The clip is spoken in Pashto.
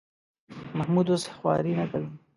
محمود اوس خواري نه کوي.